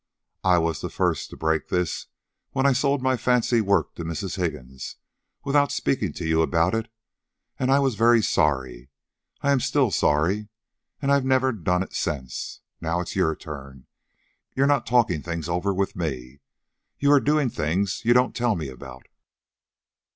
I was the first to break this, when I sold my fancy work to Mrs. Higgins without speaking to you about it. And I was very sorry. I am still sorry. And I've never done it since. Now it's your turn. You're not talking things over with me. You are doing things you don't tell me about.